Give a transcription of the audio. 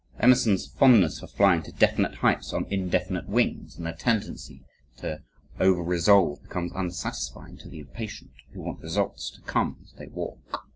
Emerson's fondness for flying to definite heights on indefinite wings, and the tendency to over resolve, becomes unsatisfying to the impatient, who want results to come as they walk.